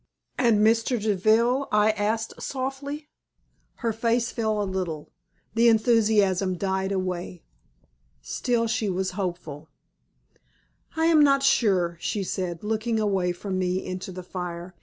"And Mr. Deville?" I asked, softly. Her face fell a little. The enthusiasm died away. Still she was hopeful. "I am not sure," she said, looking away from me into the fire.